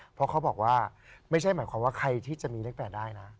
เพราะเขาบอกว่าไม่ใช่หมายความว่าใครที่จะมีเลข๘ได้นะ